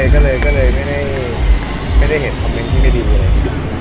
ก็เลยไม่ได้เห็นคอมเมนต์ที่ไม่ดีเลย